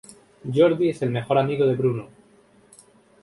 Jordi es el mejor amigo de Bruno.